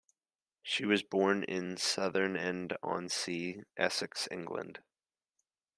She was born in Southend-on-Sea, Essex, England.